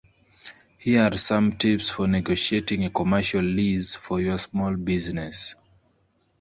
Here are some tips for negotiating a commercial lease for your small business.